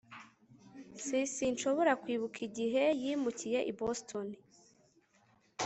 S Sinshobora kwibuka igihe yimukiye i Boston